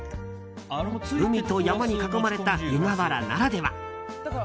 海と山に囲まれた湯河原ならでは。